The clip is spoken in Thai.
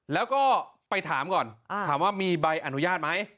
แล้วก็ไปถามก่อนถามว่ามีใบอนุญาตไหม